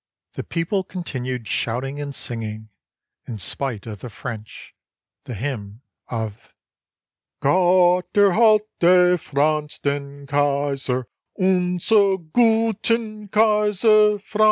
The people continued shouting and singing, in spite of the French, the hymn of "Gott erhalte Franz den Kaiser, Unsern guten Kaiser Franz!"